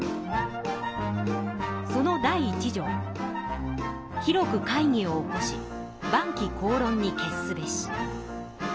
その第一条「広く会議を興し万機公論に決すべし」。